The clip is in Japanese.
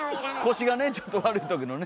腰がねちょっと悪いときのね。